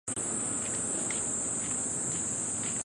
海沧街道是中国福建省厦门市海沧区下辖的一个街道。